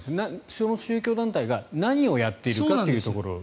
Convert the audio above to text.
その宗教団体が何をやっているかというところですよね。